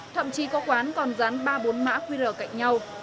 thậm chí có quán còn dán ba bốn mã qr cạnh nhau